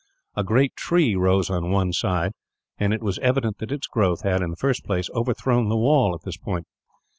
A great tree rose on one side, and it was evident that its growth had, in the first place, overthrown the wall at this point.